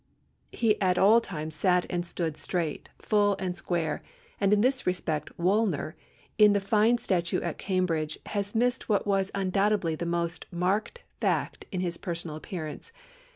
He at all times sat and stood straight, full, and square; and in this respect Woolner, in the fine statue at Cambridge, has missed what was undoubtedly the most marked fact in his personal appearance.